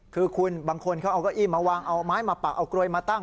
คือคุณบางคนเขาเอาเก้าอี้มาวางเอาไม้มาปักเอากลวยมาตั้ง